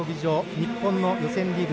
日本の予選リーグ